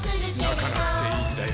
なかなくていいんだよ